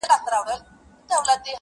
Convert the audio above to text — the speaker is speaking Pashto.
وړونه مي ټول د ژوند پر بام ناست دي,